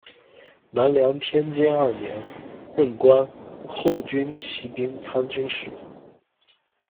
南梁天监二年，任官后军骑兵参军事。